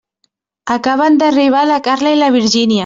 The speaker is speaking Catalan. Acaben d'arribar la Carla i la Virgínia.